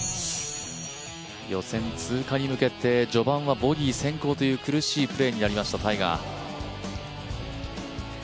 予選通過に向けて序盤はボギー先行という苦しいプレーになりました、タイガー。